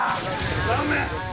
残念！